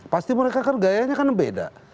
pasti mereka kan gayanya kan beda